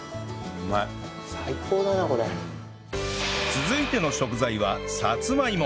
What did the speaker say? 続いての食材はさつまいも